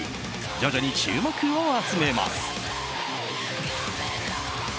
徐々に注目を集めます。